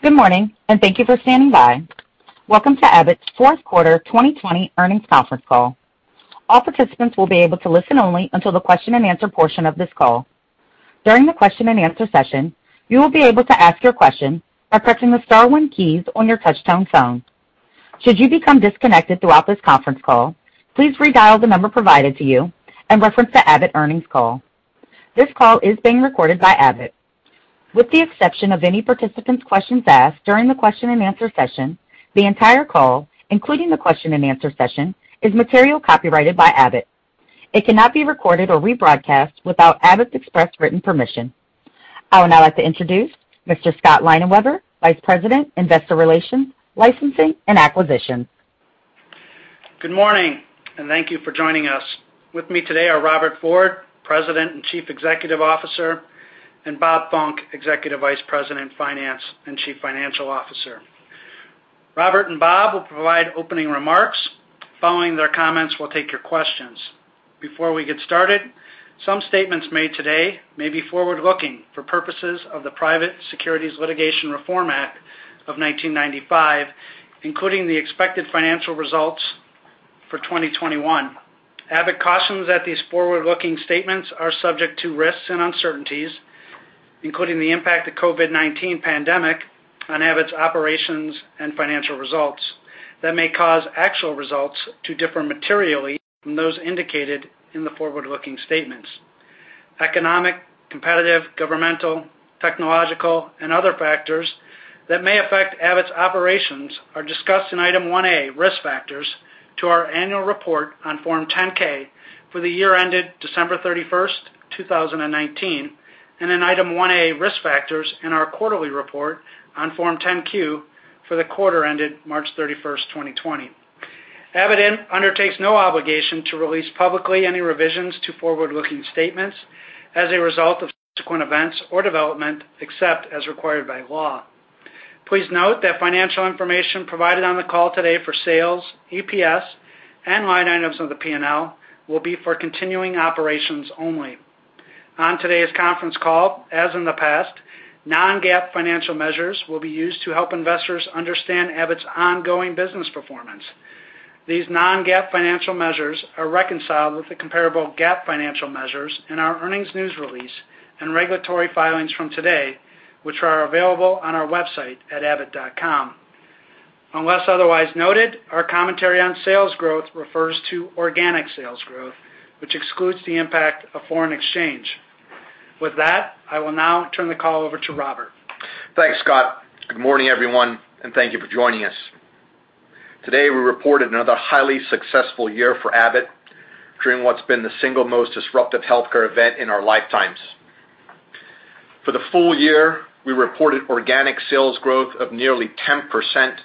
Good morning, and thank you for standing by. Welcome to Abbott's Fourth Quarter 2020 Earnings Conference Call. All participants will be able to listen only until the question and answer portion of this call, during the question and answer session you will be able to ask your question by pressing star one keys on your touchtone, should you become disconnected to this conference call, please re-dial the number provided to you and listen to Abbott's earnings call. This call is being recorded by Abbott. With the exception of any participant's questions asked during the question and answer session, the entire call including the question and answer session is material copyrighted by Abbott. It cannot be recorded or re-broadcasted without Abbott permission for information. I would now like to introduce Mr. Scott Leinenweber, Vice President, Investor Relations, Licensing and Acquisitions. Good morning, and thank you for joining us. With me today are Robert Ford, President and Chief Executive Officer, and Bob Funck, Executive Vice President, Finance and Chief Financial Officer. Robert and Bob will provide opening remarks. Following their comments, we'll take your questions. Before we get started, some statements made today may be forward-looking for purposes of the Private Securities Litigation Reform Act of 1995, including the expected financial results for 2021. Abbott cautions that these forward-looking statements are subject to risks and uncertainties, including the impact of COVID-19 pandemic on Abbott's operations and financial results that may cause actual results to differ materially from those indicated in the forward-looking statements. Economic, competitive, governmental, technological, and other factors that may affect Abbott's operations are discussed in Item 1A, Risk Factors, to our annual report on Form 10-K for the year ended December 31st, 2019, and in Item 1A, Risk Factors, in our quarterly report on Form 10-Q for the quarter ended March 31st, 2020. Abbott undertakes no obligation to release publicly any revisions to forward-looking statements as a result of subsequent events or development, except as required by law. Please note that financial information provided on the call today for sales, EPS, and line items of the P&L will be for continuing operations only. On today's conference call, as in the past, non-GAAP financial measures will be used to help investors understand Abbott's ongoing business performance. These non-GAAP financial measures are reconciled with the comparable GAAP financial measures in our earnings news release and regulatory filings from today, which are available on our website at abbott.com. Unless otherwise noted, our commentary on sales growth refers to organic sales growth, which excludes the impact of foreign exchange. With that, I will now turn the call over to Robert. Thanks, Scott. Good morning, everyone, and thank you for joining us. Today, we reported another highly successful year for Abbott during what's been the single most disruptive healthcare event in our lifetimes. For the full year, we reported organic sales growth of nearly 10%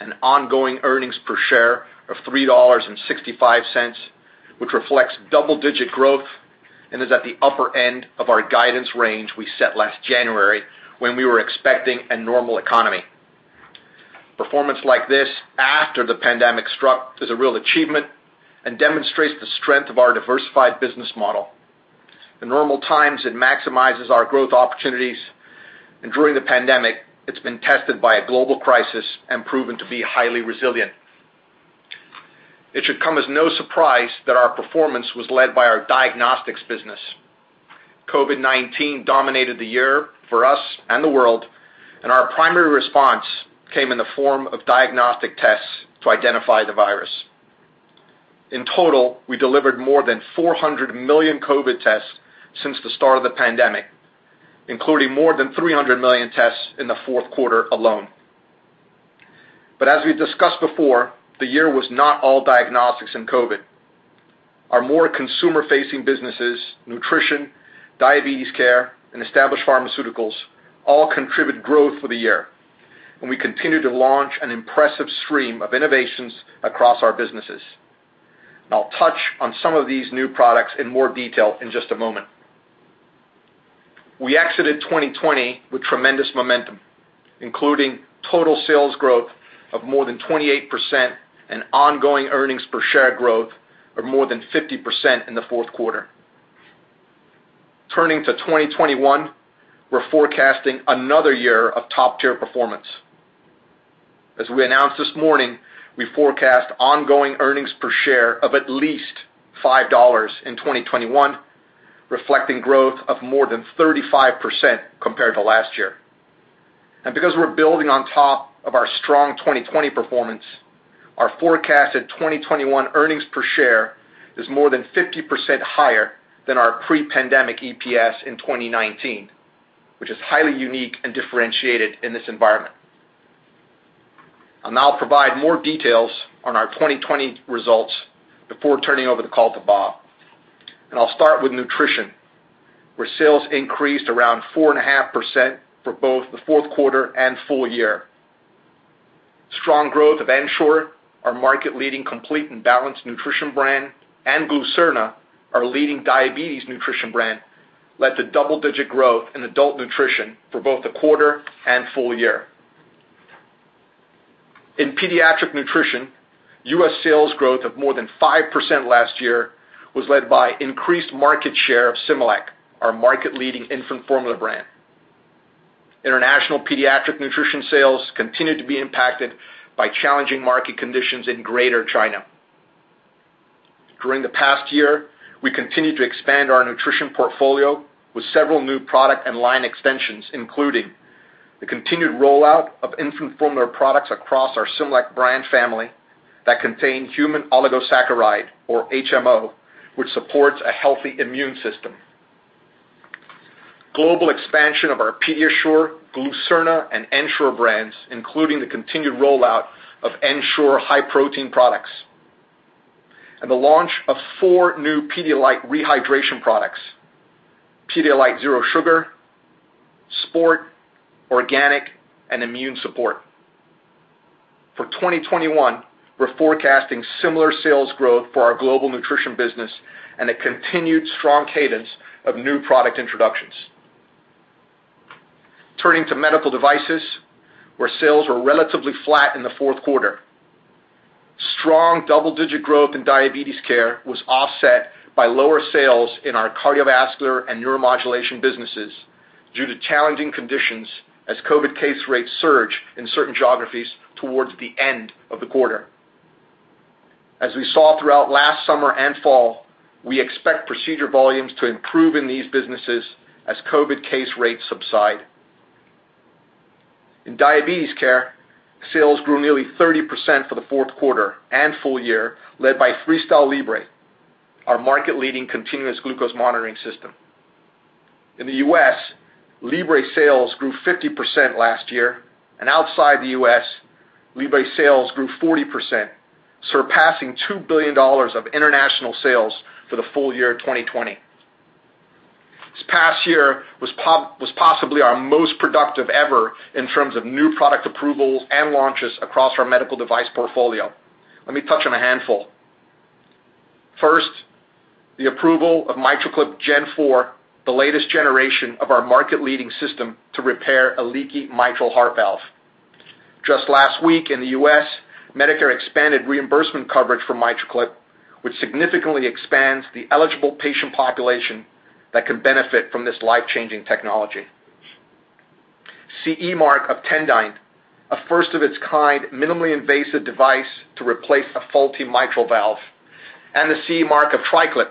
and ongoing earnings per share of $3.65, which reflects double-digit growth and is at the upper end of our guidance range we set last January when we were expecting a normal economy. Performance like this after the pandemic struck is a real achievement and demonstrates the strength of our diversified business model. In normal times, it maximizes our growth opportunities, and during the pandemic, it's been tested by a global crisis and proven to be highly resilient. It should come as no surprise that our performance was led by our diagnostics business. COVID-19 dominated the year for us and the world, and our primary response came in the form of diagnostic tests to identify the virus. In total, we delivered more than 400 million COVID tests since the start of the pandemic, including more than 300 million tests in the fourth quarter alone. As we've discussed before, the year was not all diagnostics and COVID. Our more consumer-facing businesses, nutrition, diabetes care, and established pharmaceuticals all contribute growth for the year, and we continue to launch an impressive stream of innovations across our businesses. I'll touch on some of these new products in more detail in just a moment. We exited 2020 with tremendous momentum, including total sales growth of more than 28% and ongoing earnings per share growth of more than 50% in the fourth quarter. Turning to 2021, we're forecasting another year of top-tier performance. As we announced this morning, we forecast ongoing earnings per share of at least $5 in 2021, reflecting growth of more than 35% compared to last year. Because we're building on top of our strong 2020 performance, our forecasted 2021 earnings per share is more than 50% higher than our pre-pandemic EPS in 2019, which is highly unique and differentiated in this environment. I'll now provide more details on our 2020 results before turning over the call to Bob. I'll start with nutrition, where sales increased around 4.5% for both the fourth quarter and full year. Strong growth of Ensure, our market-leading complete and balanced nutrition brand, and Glucerna, our leading diabetes nutrition brand, led to double-digit growth in adult nutrition for both the quarter and full year. In pediatric nutrition, U.S. sales growth of more than 5% last year was led by increased market share of Similac, our market-leading infant formula brand. International pediatric nutrition sales continued to be impacted by challenging market conditions in Greater China. During the past year, we continued to expand our nutrition portfolio with several new product and line extensions, including the continued rollout of infant formula products across our Similac brand family that contain human milk oligosaccharide, or HMO, which supports a healthy immune system. Global expansion of our PediaSure, Glucerna, and Ensure brands, including the continued rollout of Ensure high-protein products, and the launch of four new Pedialyte rehydration products, Pedialyte Zero Sugar, Sport, Organic, and Immune Support. For 2021, we're forecasting similar sales growth for our global nutrition business and a continued strong cadence of new product introductions. Turning to medical devices, where sales were relatively flat in the fourth quarter. Strong double-digit growth in Diabetes Care was offset by lower sales in our Cardiovascular and Neuromodulation businesses due to challenging conditions as COVID case rates surge in certain geographies towards the end of the quarter. As we saw throughout last summer and fall, we expect procedure volumes to improve in these businesses as COVID case rates subside. In Diabetes Care, sales grew nearly 30% for the fourth quarter and full year, led by FreeStyle Libre, our market-leading continuous glucose monitoring system. In the U.S., Libre sales grew 50% last year, and outside the U.S., Libre sales grew 40%, surpassing $2 billion of international sales for the full year 2020. This past year was possibly our most productive ever in terms of new product approvals and launches across our medical device portfolio. Let me touch on a handful. First, the approval of MitraClip G4, the latest generation of our market-leading system to repair a leaky mitral heart valve. Just last week in the U.S., Medicare expanded reimbursement coverage for MitraClip, which significantly expands the eligible patient population that can benefit from this life-changing technology. CE mark of Tendyne, a first-of-its-kind minimally invasive device to replace a faulty mitral valve, and the CE mark of TriClip,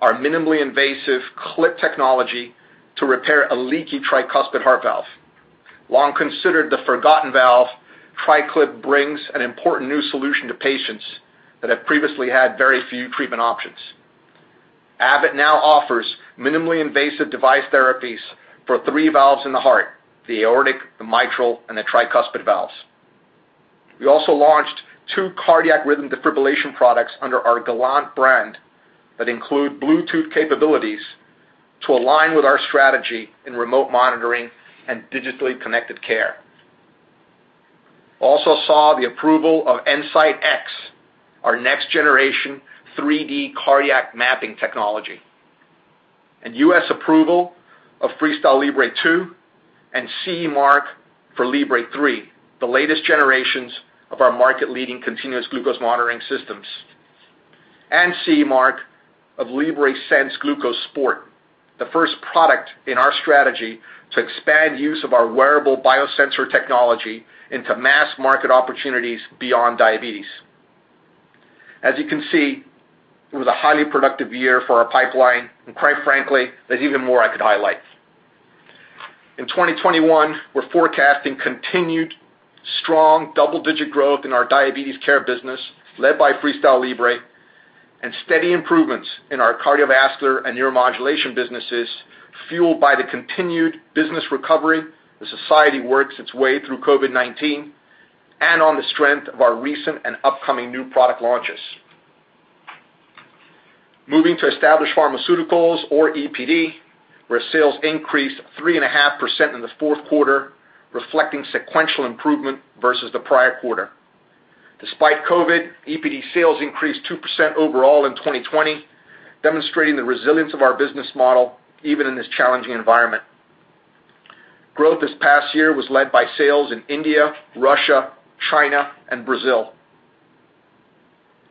our minimally invasive clip technology to repair a leaky tricuspid heart valve. Long considered the forgotten valve, TriClip brings an important new solution to patients that have previously had very few treatment options. Abbott now offers minimally invasive device therapies for three valves in the heart, the aortic, the mitral, and the tricuspid valves. We also launched two cardiac rhythm defibrillation products under our Gallant brand that include Bluetooth capabilities to align with our strategy in remote monitoring and digitally connected care. Also saw the approval of EnSite X, our next-generation 3D cardiac mapping technology, and U.S. approval of FreeStyle Libre 2 and CE mark for Libre 3, the latest generations of our market-leading continuous glucose monitoring systems. CE mark of Libre Sense Glucose Sport, the first product in our strategy to expand use of our wearable biosensor technology into mass-market opportunities beyond diabetes. As you can see, it was a highly productive year for our pipeline, and quite frankly, there's even more I could highlight. In 2021, we're forecasting continued strong double-digit growth in our diabetes care business, led by FreeStyle Libre, and steady improvements in our cardiovascular and neuromodulation businesses, fueled by the continued business recovery as society works its way through COVID-19 and on the strength of our recent and upcoming new product launches. Moving to established pharmaceuticals or EPD, where sales increased 3.5% in the fourth quarter, reflecting sequential improvement versus the prior quarter. Despite COVID, EPD sales increased 2% overall in 2020, demonstrating the resilience of our business model, even in this challenging environment. Growth this past year was led by sales in India, Russia, China, and Brazil.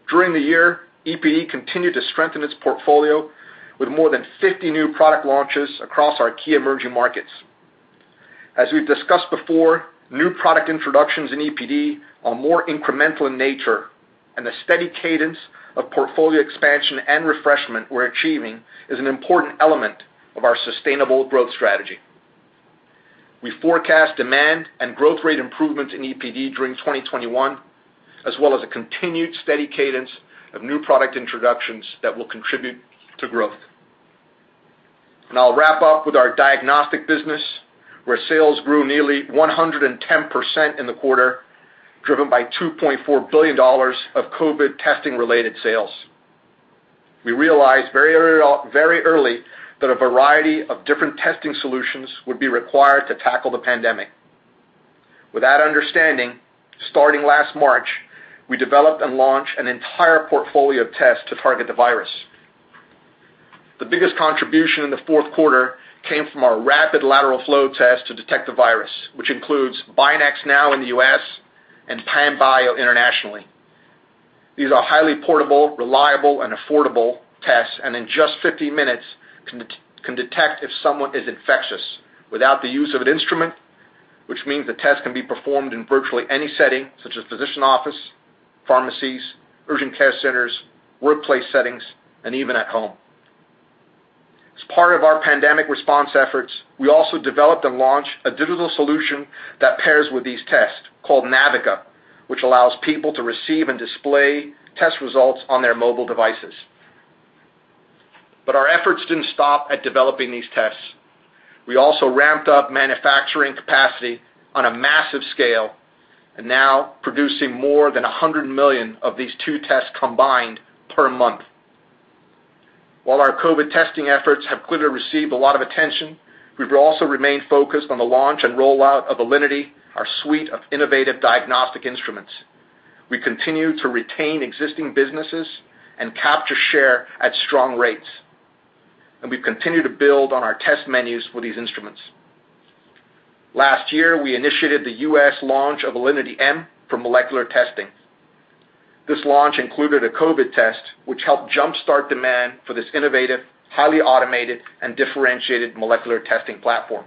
During the year, EPD continued to strengthen its portfolio with more than 50 new product launches across our key emerging markets. As we've discussed before, new product introductions in EPD are more incremental in nature, and the steady cadence of portfolio expansion and refreshment we're achieving is an important element of our sustainable growth strategy. We forecast demand and growth rate improvements in EPD during 2021, as well as a continued steady cadence of new product introductions that will contribute to growth. I'll wrap up with our diagnostic business, where sales grew nearly 110% in the quarter, driven by $2.4 billion of COVID testing-related sales. We realized very early that a variety of different testing solutions would be required to tackle the pandemic. With that understanding, starting last March, we developed and launched an entire portfolio of tests to target the virus. The biggest contribution in the fourth quarter came from our rapid lateral flow test to detect the virus, which includes BinaxNOW in the U.S. and Panbio internationally. These are highly portable, reliable, and affordable tests, and in just 50 minutes can detect if someone is infectious without the use of an instrument, which means the test can be performed in virtually any setting, such as physician office, pharmacies, urgent care centers, workplace settings, and even at home. As part of our pandemic response efforts, we also developed and launched a digital solution that pairs with these tests, called NAVICA, which allows people to receive and display test results on their mobile devices. Our efforts didn't stop at developing these tests. We also ramped up manufacturing capacity on a massive scale and are now producing more than 100 million of these two tests combined per month. While our COVID testing efforts have clearly received a lot of attention, we've also remained focused on the launch and rollout of Alinity, our suite of innovative diagnostic instruments. We continue to retain existing businesses and capture share at strong rates. We've continued to build on our test menus for these instruments. Last year, we initiated the U.S. launch of Alinity m for molecular testing. This launch included a COVID test, which helped jumpstart demand for this innovative, highly automated, and differentiated molecular testing platform.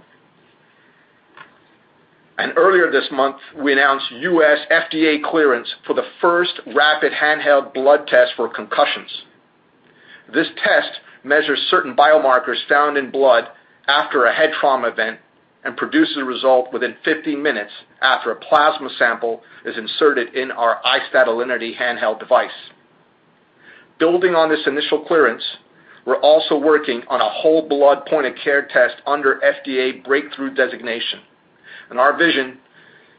Earlier this month, we announced U.S. FDA clearance for the first rapid handheld blood test for concussions. This test measures certain biomarkers found in blood after a head trauma event and produces a result within 50 minutes after a plasma sample is inserted in our i-STAT Alinity handheld device. Building on this initial clearance, we're also working on a whole blood point-of-care test under FDA breakthrough designation. Our vision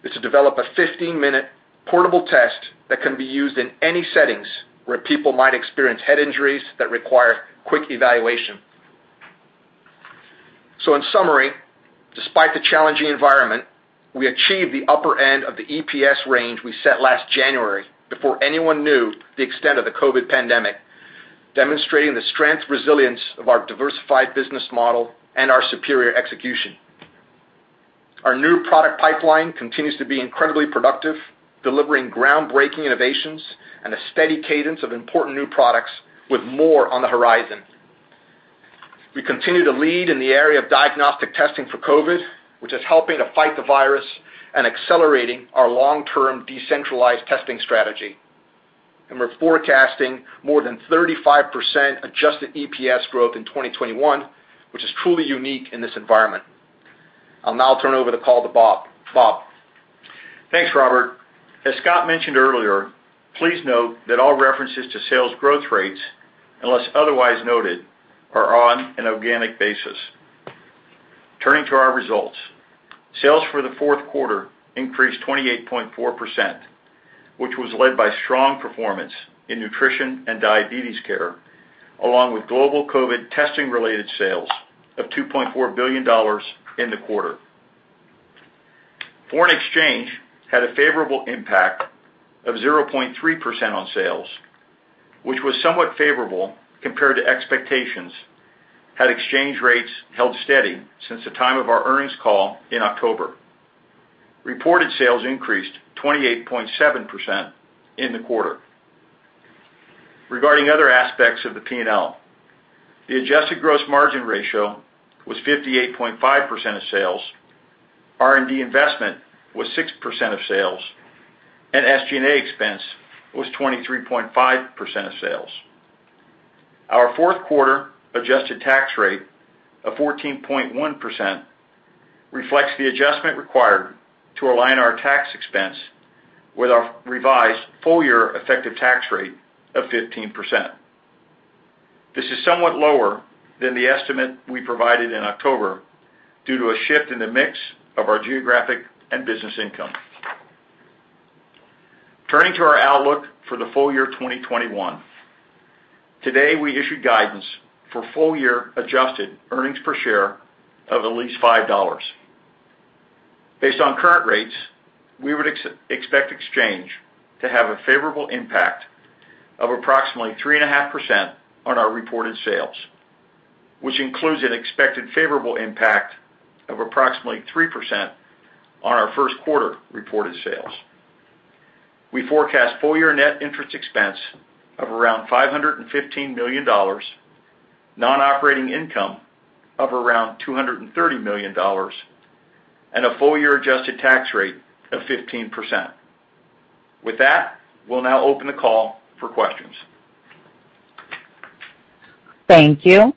is to develop a 15-minute portable test that can be used in any settings where people might experience head injuries that require quick evaluation. In summary, despite the challenging environment, we achieved the upper end of the EPS range we set last January before anyone knew the extent of the COVID pandemic, demonstrating the strength and resilience of our diversified business model and our superior execution. Our new product pipeline continues to be incredibly productive, delivering groundbreaking innovations and a steady cadence of important new products with more on the horizon. We continue to lead in the area of diagnostic testing for COVID, which is helping to fight the virus and accelerating our long-term decentralized testing strategy. We're forecasting more than 35% adjusted EPS growth in 2021, which is truly unique in this environment. I'll now turn over the call to Bob. Bob? Thanks, Robert. As Scott mentioned earlier, please note that all references to sales growth rates, unless otherwise noted, are on an organic basis. Turning to our results. Sales for the fourth quarter increased 28.4%, which was led by strong performance in nutrition and diabetes care, along with global COVID testing-related sales of $2.4 billion in the quarter. Foreign exchange had a favorable impact of 0.3% on sales, which was somewhat favorable compared to expectations had exchange rates held steady since the time of our earnings call in October. Reported sales increased 28.7% in the quarter. Regarding other aspects of the P&L, the adjusted gross margin ratio was 58.5% of sales, R&D investment was 6% of sales, and SG&A expense was 23.5% of sales. Our fourth quarter adjusted tax rate of 14.1% reflects the adjustment required to align our tax expense with our revised full-year effective tax rate of 15%. This is somewhat lower than the estimate we provided in October due to a shift in the mix of our geographic and business income. Turning to our outlook for the full year 2021. Today, we issued guidance for full-year adjusted earnings per share of at least $5. Based on current rates, we would expect exchange to have a favorable impact of approximately 3.5% on our reported sales, which includes an expected favorable impact of approximately 3% on our first quarter reported sales. We forecast full-year net interest expense of around $515 million, non-operating income of around $230 million, and a full-year adjusted tax rate of 15%. With that, we will now open the call for questions. Thank you.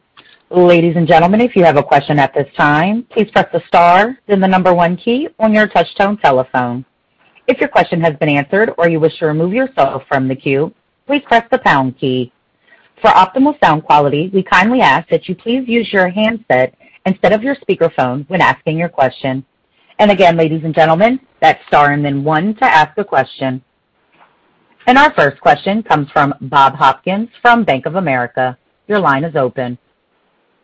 Ladies and gentlemen, if you have a question at this time, please press the star then the number one key on your touch tone telephone. If your question has been answered or you wish to remove yourself from the queue, please press the pound key. For optimal sound quality, we kindly ask that you please use your handset instead of your speakerphone when asking your question. And again, ladies and gentlemen, that's star and then one to ask a question. Our first question comes from Bob Hopkins from Bank of America. Your line is open.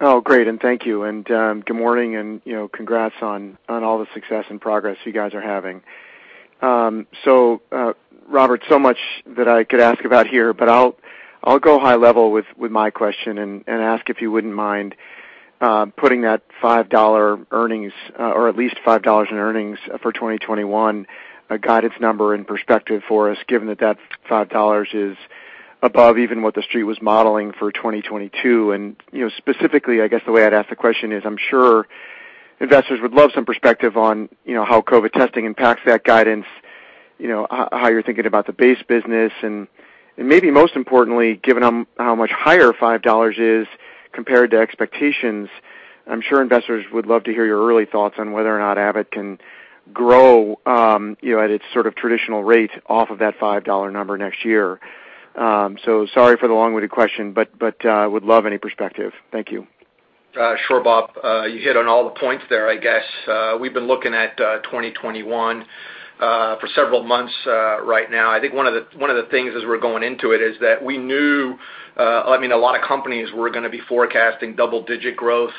Oh, great. Thank you. Good morning and congrats on all the success and progress you guys are having. Robert, so much that I could ask about here, but I'll go high level with my question and ask if you wouldn't mind putting that $5 earnings, or at least $5 in earnings for 2021, a guidance number in perspective for us, given that $5 is above even what the street was modeling for 2022. Specifically, I guess, the way I'd ask the question is, I'm sure investors would love some perspective on how COVID testing impacts that guidance, how you're thinking about the base business, and maybe most importantly, given how much higher $5 is compared to expectations, I'm sure investors would love to hear your early thoughts on whether or not Abbott can grow at its sort of traditional rate off of that $5 number next year. Sorry for the long-winded question, but would love any perspective. Thank you. Sure, Bob. You hit on all the points there, I guess. We've been looking at 2021 for several months right now. I think one of the things as we're going into it is that we knew a lot of companies were going to be forecasting double-digit growth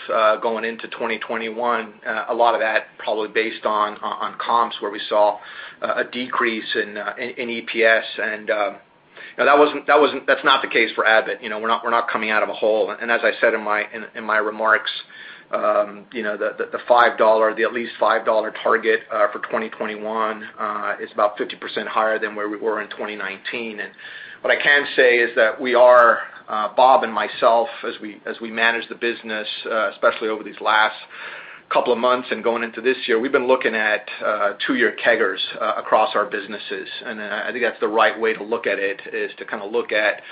going into 2021. A lot of that probably based on comps where we saw a decrease in EPS, and that's not the case for Abbott. We're not coming out of a hole. As I said in my remarks, the at least $5 target for 2021 is about 50% higher than where we were in 2019. What I can say is that we are, Bob and myself, as we manage the business, especially over these last couple of months and going into this year, we've been looking at two year CAGRs across our businesses. I think that's the right way to look at it, is to kind of look at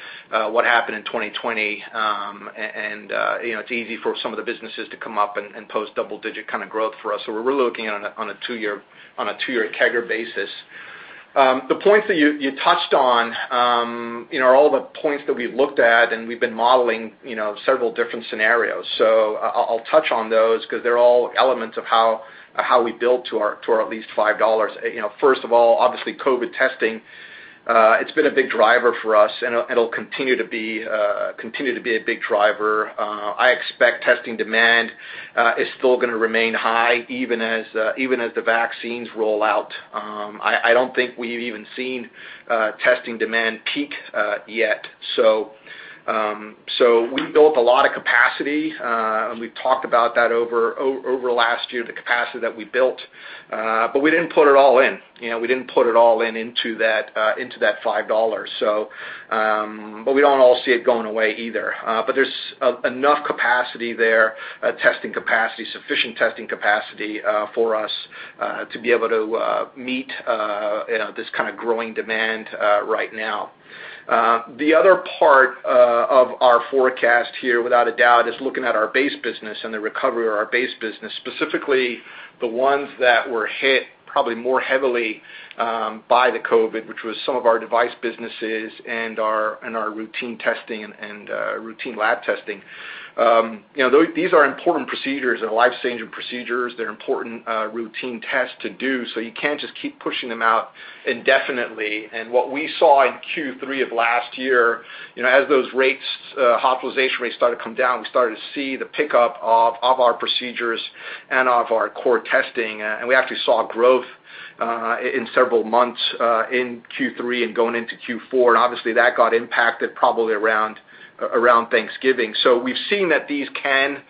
what happened in 2020. It's easy for some of the businesses to come up and post double digit kind of growth for us. We're really looking on a two year CAGR basis. The points that you touched on are all the points that we've looked at and we've been modeling several different scenarios. I'll touch on those because they're all elements of how we build to our at least $5. First of all, obviously COVID testing, it's been a big driver for us and it'll continue to be a big driver. I expect testing demand is still going to remain high even as the vaccines roll out. I don't think we've even seen testing demand peak yet. We built a lot of capacity, and we've talked about that over last year, the capacity that we built. We didn't put it all in. We didn't put it all in into that $5. We don't all see it going away either. There's enough capacity there, sufficient testing capacity for us to be able to meet this kind of growing demand right now. The other part of our forecast here, without a doubt, is looking at our base business and the recovery of our base business, specifically the ones that were hit probably more heavily by the COVID, which was some of our device businesses and our routine testing and routine lab testing. These are important procedures. They're life-saving procedures. They're important routine tests to do, so you can't just keep pushing them out indefinitely. What we saw in Q3 of last year, as those hospitalization rates started to come down, we started to see the pickup of our procedures and of our core testing. We actually saw growth in several months in Q3 and going into Q4, and obviously that got impacted probably around Thanksgiving. We've seen that these can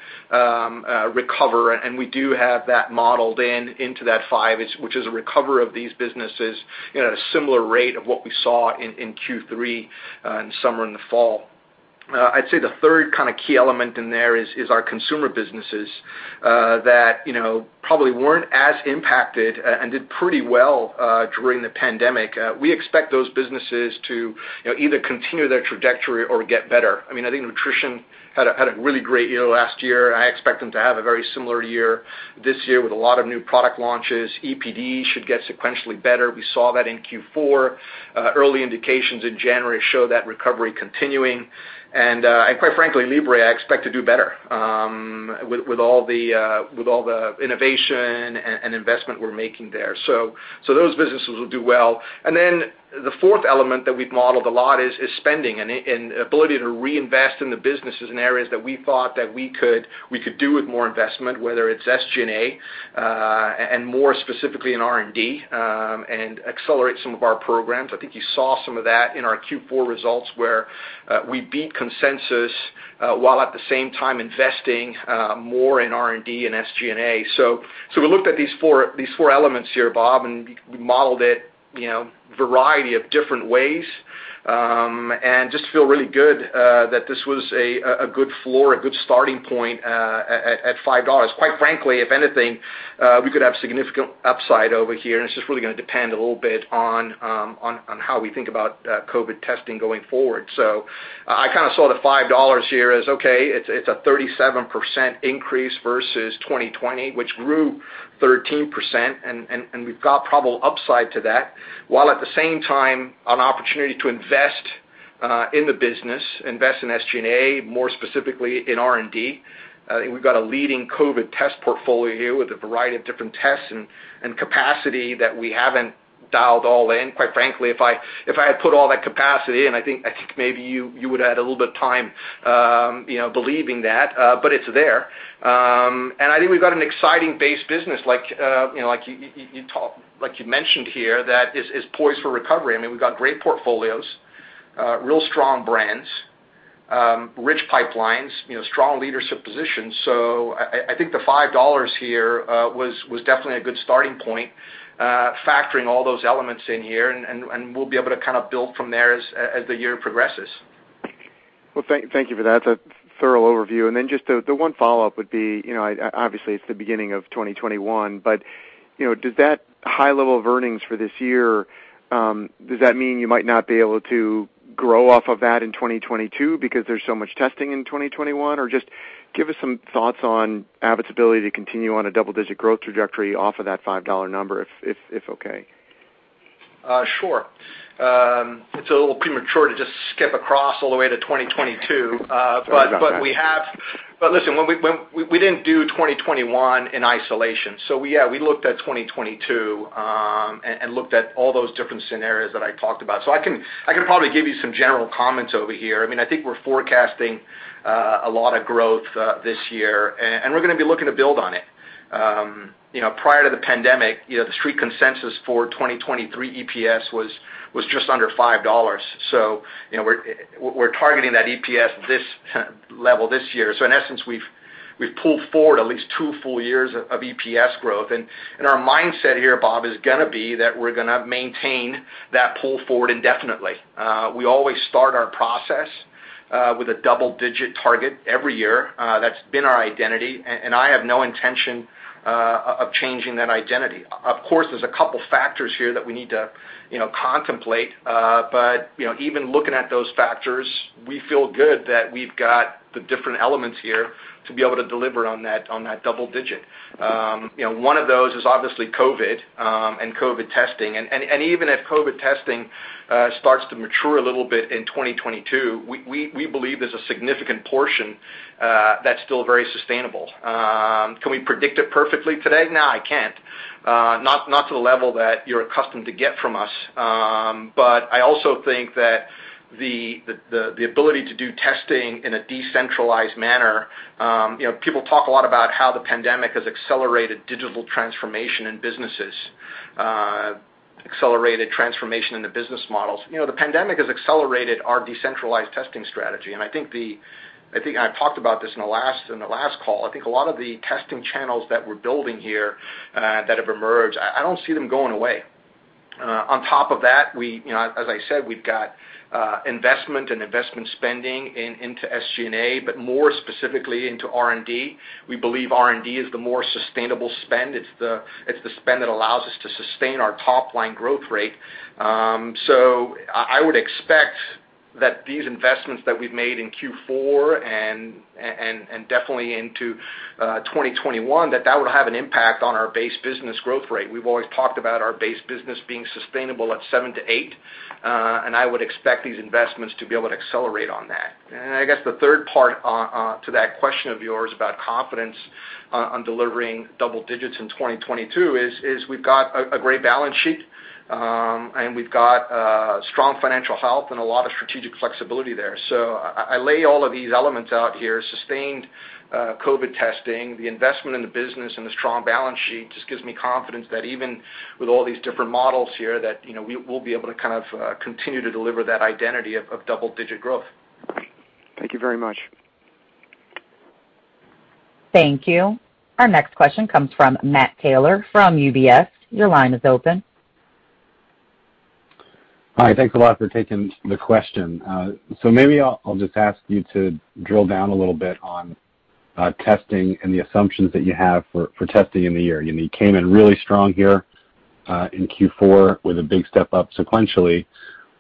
recover, and we do have that modeled in into that five, which is a recovery of these businesses in a similar rate of what we saw in Q3, in the summer, in the fall. I'd say the third kind of key element in there is our consumer businesses that probably weren't as impacted and did pretty well during the pandemic. We expect those businesses to either continue their trajectory or get better. I think Nutrition had a really great year last year. I expect them to have a very similar year this year with a lot of new product launches. EPD should get sequentially better. We saw that in Q4. Early indications in January show that recovery continuing. Quite frankly, Libre, I expect to do better with all the innovation and investment we're making there. Those businesses will do well. The fourth element that we've modeled a lot is spending and ability to reinvest in the businesses and areas that we thought that we could do with more investment, whether it's SG&A and more specifically in R&D, and accelerate some of our programs. I think you saw some of that in our Q4 results where we beat consensus while at the same time investing more in R&D and SG&A. We looked at these four elements here, Bob, and we modeled it variety of different ways. Just feel really good that this was a good floor, a good starting point at $5. Quite frankly, if anything, we could have significant upside over here, and it's just really going to depend a little bit on how we think about COVID testing going forward. I kind of saw the $5 here as, okay, it's a 37% increase versus 2020, which grew 13%, and we've got probable upside to that, while at the same time an opportunity to invest in the business, invest in SG&A, more specifically in R&D. I think we've got a leading COVID test portfolio here with a variety of different tests and capacity that we haven't dialed all in. Quite frankly, if I had put all that capacity in, I think maybe you would add a little bit of time believing that. It's there. I think we've got an exciting base business like you mentioned here that is poised for recovery. We've got great portfolios. Real strong brands, rich pipelines, strong leadership positions. I think the $5 here was definitely a good starting point, factoring all those elements in here, and we'll be able to build from there as the year progresses. Well, thank you for that. A thorough overview. Just the one follow-up would be, obviously, it's the beginning of 2021, does that high level of earnings for this year, does that mean you might not be able to grow off of that in 2022 because there's so much testing in 2021? Just give us some thoughts on Abbott's ability to continue on a double-digit growth trajectory off of that $5 number, if okay. Sure. It's a little premature to just skip across all the way to 2022. Sorry about that. Listen, we didn't do 2021 in isolation. Yeah, we looked at 2022, and looked at all those different scenarios that I talked about. I can probably give you some general comments over here. I think we're forecasting a lot of growth this year, and we're going to be looking to build on it. Prior to the pandemic, the Street consensus for 2023 EPS was just under $5. We're targeting that EPS this level this year. In essence, we've pulled forward at least two full years of EPS growth. Our mindset here, Bob, is going to be that we're going to maintain that pull forward indefinitely. We always start our process with a double-digit target every year. That's been our identity, and I have no intention of changing that identity. Of course, there's a couple factors here that we need to contemplate. Even looking at those factors, we feel good that we've got the different elements here to be able to deliver on that double-digit. One of those is obviously COVID and COVID testing. Even if COVID testing starts to mature a little bit in 2022, we believe there's a significant portion that's still very sustainable. Can we predict it perfectly today? No, I can't. Not to the level that you're accustomed to get from us. I also think that the ability to do testing in a decentralized manner, people talk a lot about how the pandemic has accelerated digital transformation in businesses, accelerated transformation in the business models. The pandemic has accelerated our decentralized testing strategy, and I think I talked about this in the last call. I think a lot of the testing channels that we're building here, that have emerged, I don't see them going away. On top of that, as I said, we've got investment and investment spending into SG&A, but more specifically into R&D. We believe R&D is the more sustainable spend. It's the spend that allows us to sustain our top-line growth rate. I would expect that these investments that we've made in Q4 and definitely into 2021, that that would have an impact on our base business growth rate. We've always talked about our base business being sustainable at seven to eight. I would expect these investments to be able to accelerate on that. I guess the third part to that question of yours about confidence on delivering double digits in 2022 is we've got a great balance sheet, and we've got strong financial health and a lot of strategic flexibility there. I lay all of these elements out here, sustained COVID testing, the investment in the business, and a strong balance sheet just gives me confidence that even with all these different models here, that we'll be able to kind of continue to deliver that identity of double-digit growth. Thank you very much. Thank you. Our next question comes from Matt Taylor from UBS. Your line is open. Hi, thanks a lot for taking the question. Maybe I'll just ask you to drill down a little bit on testing and the assumptions that you have for testing in the year. You came in really strong here, in Q4 with a big step up sequentially.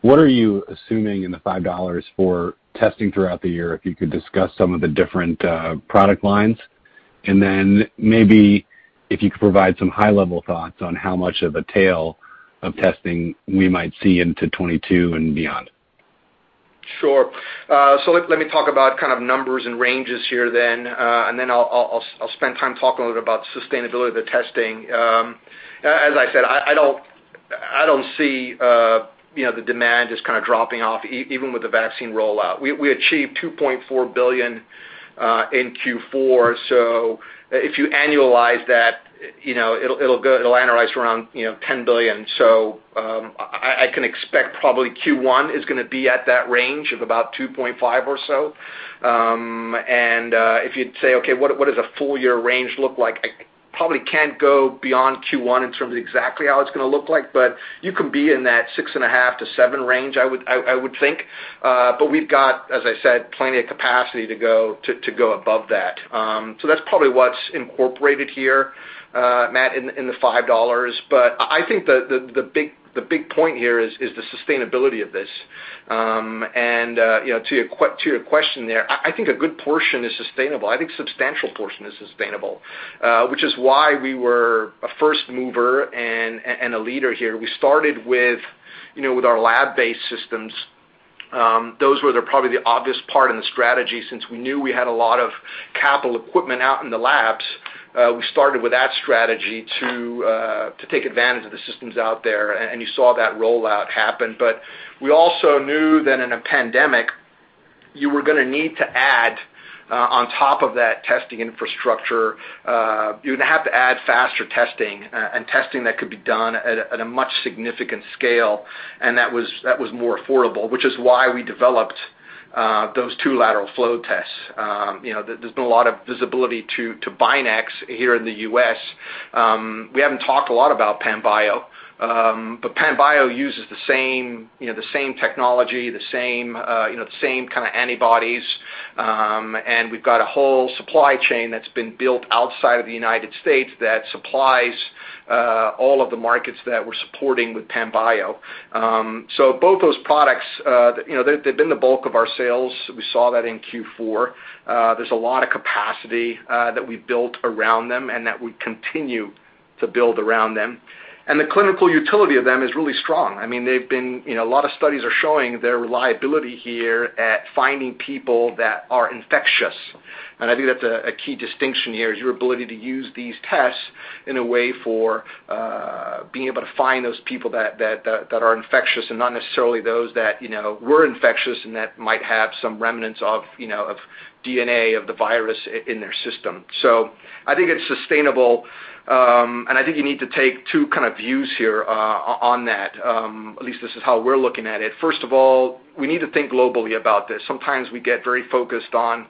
What are you assuming in the $5 for testing throughout the year? If you could discuss some of the different product lines, then maybe if you could provide some high-level thoughts on how much of a tail of testing we might see into 2022 and beyond. Sure. Let me talk about kind of numbers and ranges here. I'll spend time talking a little bit about sustainability of the testing. As I said, I don't see the demand just kind of dropping off even with the vaccine rollout. We achieved $2.4 billion in Q4. If you annualize that, it'll annualize around $10 billion. I can expect probably Q1 is going to be at that range of about $2.5 billion or so. If you'd say, "Okay, what does a full year range look like?" I probably can't go beyond Q1 in terms of exactly how it's going to look like, you can be in that $6.5 billion-$7 billion range, I would think. We've got, as I said, plenty of capacity to go above that. That's probably what's incorporated here, Matt, in the $5 billion. I think the big point here is the sustainability of this. To your question there, I think a good portion is sustainable. I think a substantial portion is sustainable, which is why we were a first mover and a leader here. We started with our lab-based systems. Those were the probably the obvious part in the strategy since we knew we had a lot of capital equipment out in the labs. We started with that strategy to take advantage of the systems out there, and you saw that rollout happen. We also knew that in a pandemic. You were going to need to add on top of that testing infrastructure, you're going to have to add faster testing and testing that could be done at a much significant scale and that was more affordable, which is why we developed those two lateral flow tests. There's been a lot of visibility to BinaxNOW here in the U.S. We haven't talked a lot about Panbio, but Panbio uses the same technology, the same kind of antibodies, and we've got a whole supply chain that's been built outside of the United States that supplies all of the markets that we're supporting with Panbio. Both those products they've been the bulk of our sales. We saw that in Q4. There's a lot of capacity that we've built around them and that we continue to build around them. The clinical utility of them is really strong. A lot of studies are showing their reliability here at finding people that are infectious. I think that's a key distinction here is your ability to use these tests in a way for being able to find those people that are infectious and not necessarily those that were infectious and that might have some remnants of DNA of the virus in their system. I think it's sustainable, and I think you need to take two kind of views here on that. At least this is how we're looking at it. First of all, we need to think globally about this. Sometimes we get very focused on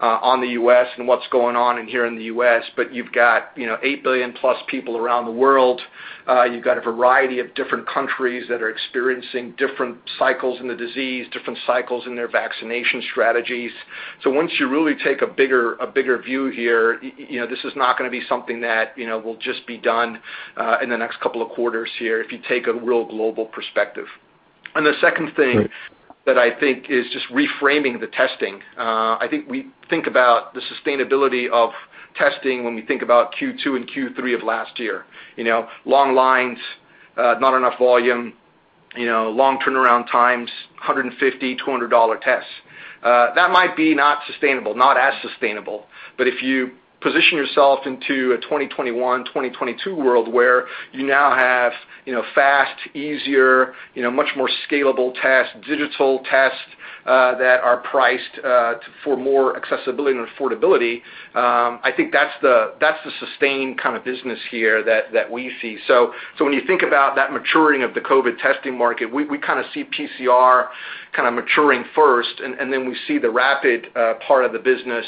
the U.S. and what's going on in here in the U.S., but you've got 8 billion plus people around the world. You've got a variety of different countries that are experiencing different cycles in the disease, different cycles in their vaccination strategies. Once you really take a bigger view here, this is not going to be something that will just be done in the next couple of quarters here if you take a real global perspective. The second thing that I think is just reframing the testing. I think we think about the sustainability of testing when we think about Q2 and Q3 of last year. Long lines, not enough volume, long turnaround times, $150, $200 tests. That might be not sustainable, not as sustainable. If you position yourself into a 2021, 2022 world where you now have fast, easier, much more scalable tests, digital tests that are priced for more accessibility and affordability, I think that's the sustained kind of business here that we see. When you think about that maturing of the COVID testing market, we kind of see PCR kind of maturing first, and then we see the rapid part of the business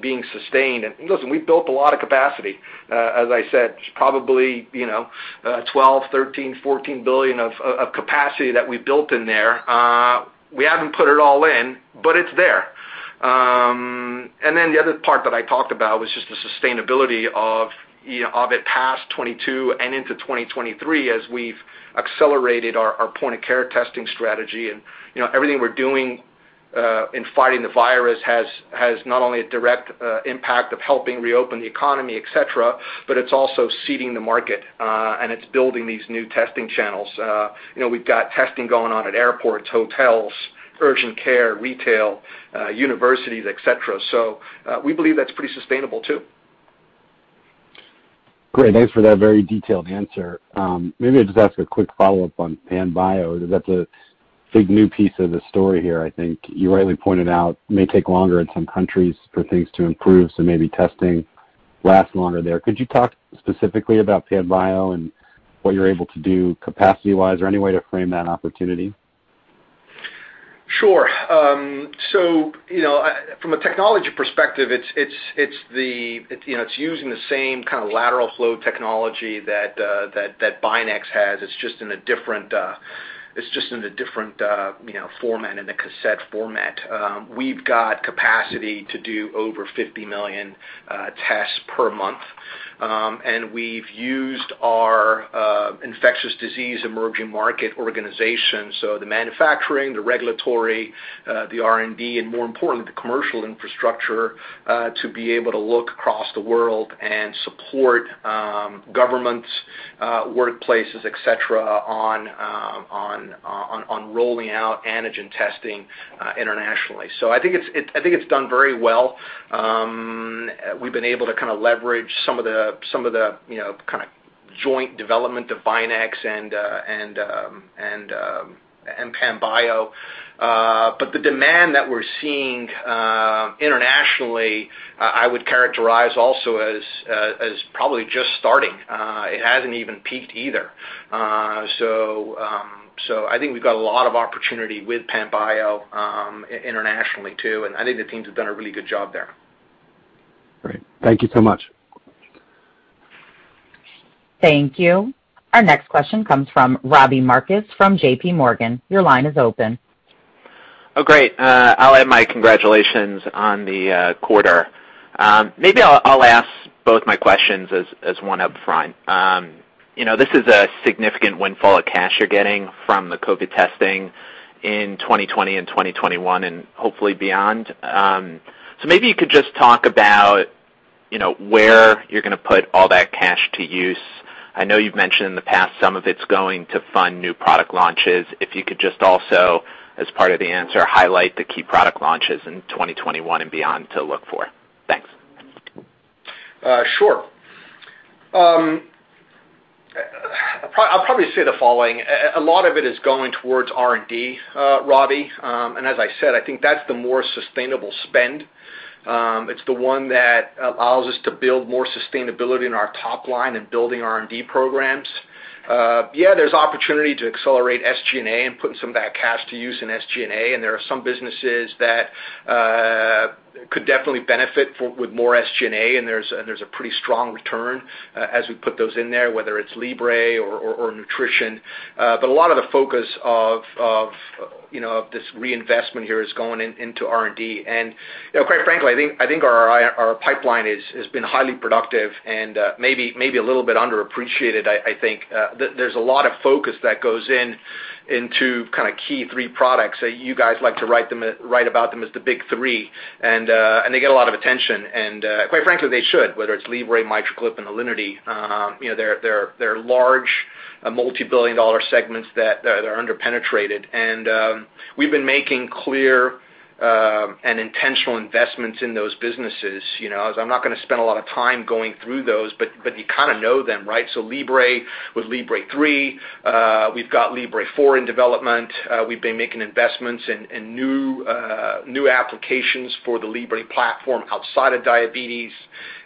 being sustained. Listen, we've built a lot of capacity. As I said, probably 12, 13, 14 billion of capacity that we built in there. We haven't put it all in, but it's there. Then the other part that I talked about was just the sustainability of it past 2022 and into 2023 as we've accelerated our point-of-care testing strategy and everything we're doing in fighting the virus has not only a direct impact of helping reopen the economy, et cetera, but it's also seeding the market, and it's building these new testing channels. We've got testing going on at airports, hotels, urgent care, retail, universities, et cetera. We believe that's pretty sustainable, too. Great. Thanks for that very detailed answer. Maybe I'll just ask a quick follow-up on Panbio. That's a big new piece of the story here, I think. You rightly pointed out it may take longer in some countries for things to improve, so maybe testing lasts longer there. Could you talk specifically about Panbio and what you're able to do capacity-wise, or any way to frame that opportunity? Sure. From a technology perspective, it's using the same kind of lateral flow technology that Binax has. It's just in a different format, in the cassette format. We've got capacity to do over 50 million tests per month. We've used our infectious disease emerging market organization, so the manufacturing, the regulatory, the R&D, and more importantly, the commercial infrastructure, to be able to look across the world and support governments, workplaces, et cetera, on rolling out antigen testing internationally. I think it's done very well. We've been able to kind of leverage some of the joint development of Binax and Panbio. The demand that we're seeing internationally, I would characterize also as probably just starting. It hasn't even peaked either. I think we've got a lot of opportunity with Panbio internationally, too, and I think the teams have done a really good job there. Great. Thank you so much. Thank you. Our next question comes from Robbie Marcus from JPMorgan. Your line is open. Oh, great. I'll add my congratulations on the quarter. Maybe I'll ask both my questions as one up front. This is a significant windfall of cash you're getting from the COVID testing in 2020 and 2021 and hopefully beyond. Maybe you could just talk about where you're going to put all that cash to use. I know you've mentioned in the past some of it's going to fund new product launches. If you could just also, as part of the answer, highlight the key product launches in 2021 and beyond to look for. Sure. I'll probably say the following. A lot of it is going towards R&D, Robbie. As I said, I think that's the more sustainable spend. It's the one that allows us to build more sustainability in our top line and building R&D programs. There's opportunity to accelerate SG&A and putting some of that cash to use in SG&A. There are some businesses that could definitely benefit with more SG&A. There's a pretty strong return as we put those in there, whether it's Libre or nutrition. A lot of the focus of this reinvestment here is going into R&D. Quite frankly, I think our pipeline has been highly productive and maybe a little bit underappreciated. I think there's a lot of focus that goes into kind of key three products. You guys like to write about them as the big three, and they get a lot of attention. Quite frankly, they should, whether it's Libre, MitraClip, and Alinity. They're large, multi-billion dollar segments that are under-penetrated. We've been making clear and intentional investments in those businesses. I'm not going to spend a lot of time going through those, but you kind of know them, right? Libre, with Libre 3, we've got Libre 4 in development. We've been making investments in new applications for the Libre platform outside of diabetes.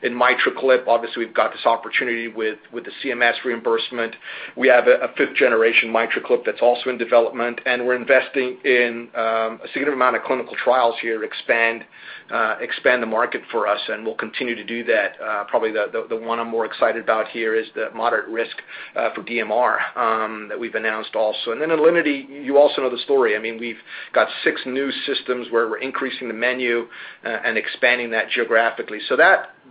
In MitraClip, obviously, we've got this opportunity with the CMS reimbursement. We have a fifth-generation MitraClip that's also in development, and we're investing in a significant amount of clinical trials here to expand the market for us, and we'll continue to do that. Probably the one I'm more excited about here is the moderate risk for DMR that we've announced also. Alinity, you also know the story. We've got six new systems where we're increasing the menu and expanding that geographically.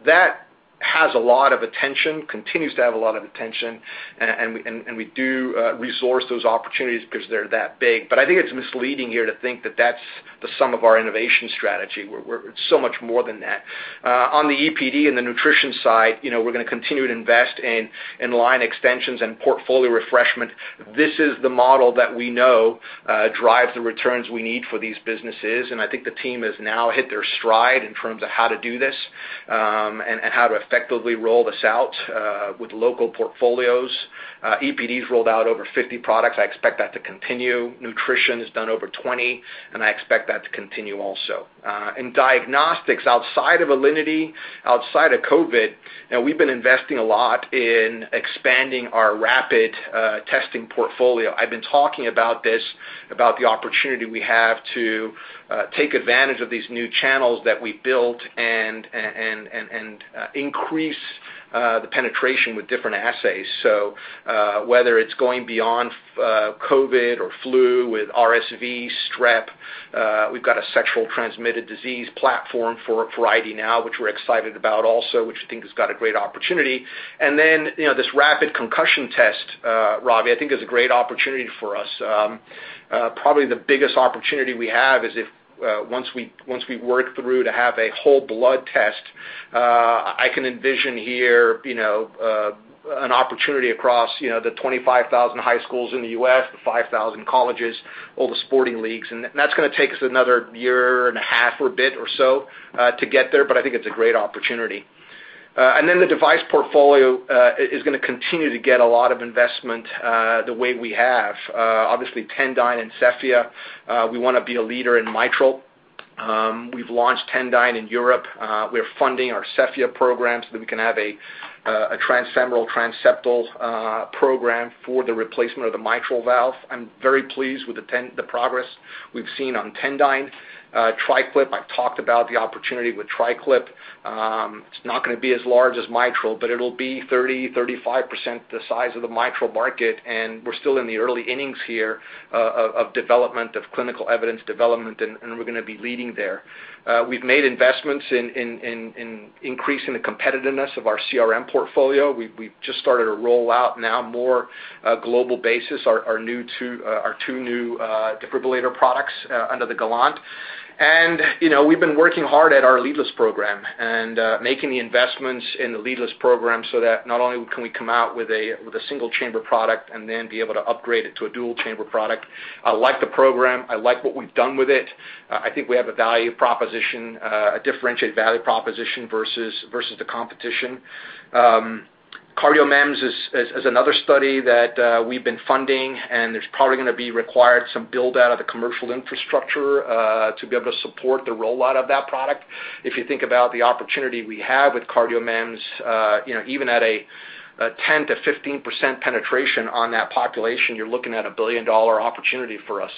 That has a lot of attention, continues to have a lot of attention, and we do resource those opportunities because they're that big. I think it's misleading here to think that that's the sum of our innovation strategy. It's so much more than that. On the EPD and the nutrition side, we're going to continue to invest in line extensions and portfolio refreshment. This is the model that we know drives the returns we need for these businesses, and I think the team has now hit their stride in terms of how to do this, and how to effectively roll this out with local portfolios. EPD's rolled out over 50 products. I expect that to continue. Nutrition has done over 20. I expect that to continue also. In diagnostics, outside of Alinity, outside of COVID, we've been investing a lot in expanding our rapid testing portfolio. I've been talking about this, about the opportunity we have to take advantage of these new channels that we built and increase the penetration with different assays. Whether it's going beyond COVID or flu with RSV, strep, we've got a sexual transmitted disease platform for ID NOW, which we're excited about also, which I think has got a great opportunity. This rapid concussion test, Robbie, I think is a great opportunity for us. Probably the biggest opportunity we have is if once we work through to have a whole blood test, I can envision here an opportunity across the 25,000 high schools in the U.S., the 5,000 colleges, all the sporting leagues, and that's going to take us another year and a half or bit or so to get there, but I think it's a great opportunity. The device portfolio is going to continue to get a lot of investment the way we have. Obviously, Tendyne and Cephea. We want to be a leader in mitral. We've launched Tendyne in Europe. We're funding our Cephea program so that we can have a transfemoral transseptal program for the replacement of the mitral valve. I'm very pleased with the progress we've seen on Tendyne. TriClip, I've talked about the opportunity with TriClip. It's not going to be as large as mitral, but it'll be 30%-35% the size of the mitral market, and we're still in the early innings here of development of clinical evidence development, and we're going to be leading there. We've made investments in increasing the competitiveness of our CRM portfolio. We've just started to roll out now more global basis, our two new defibrillator products under the Gallant. We've been working hard at our leadless program and making the investments in the leadless program so that not only can we come out with a single chamber product and then be able to upgrade it to a dual chamber product. I like the program. I like what we've done with it. I think we have a differentiated value proposition versus the competition. CardioMEMS is another study that we've been funding. There's probably going to be required some build-out of the commercial infrastructure to be able to support the rollout of that product. If you think about the opportunity we have with CardioMEMS, even at a 10%-15% penetration on that population, you're looking at a billion-dollar opportunity for us.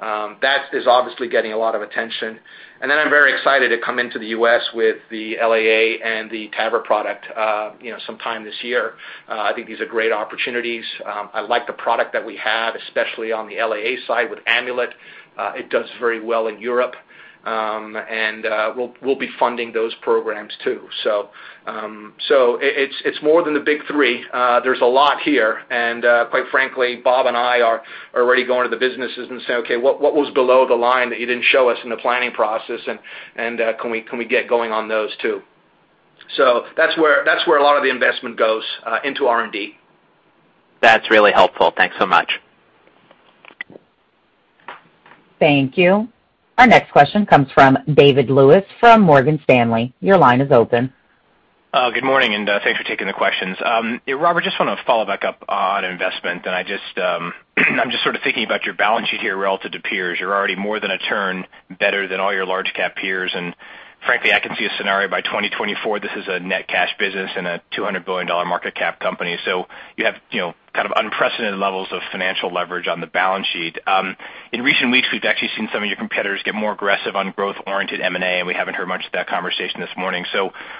That is obviously getting a lot of attention. I'm very excited to come into the U.S. with the LAA and the TAVR product sometime this year. I think these are great opportunities. I like the product that we have, especially on the LAA side with Amulet. It does very well in Europe. We'll be funding those programs, too. It's more than the big three. There's a lot here, quite frankly, Bob and I are already going to the businesses and saying, "Okay, what was below the line that you didn't show us in the planning process, and can we get going on those, too?" That's where a lot of the investment goes into R&D. That's really helpful. Thanks so much. Thank you. Our next question comes from David Lewis from Morgan Stanley. Your line is open. Good morning, thanks for taking the questions. Robert, just want to follow back up on investment, and I'm just sort of thinking about your balance sheet here relative to peers. You're already more than a turn better than all your large cap peers, and frankly, I can see a scenario by 2024, this is a net cash business and a $200 billion market cap company. You have kind of unprecedented levels of financial leverage on the balance sheet. In recent weeks, we've actually seen some of your competitors get more aggressive on growth-oriented M&A, and we haven't heard much of that conversation this morning.